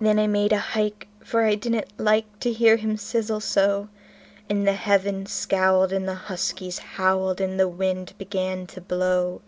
Then I made a hike, for I didn't like to hear him sizzle so; And the heavens scowled, and the huskies howled, and the wind began to blow.